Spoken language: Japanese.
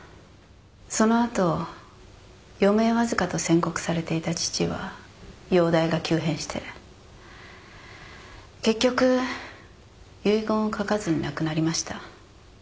その後余命わずかと宣告されていた父は容体が急変して結局遺言を書かずに亡くなりました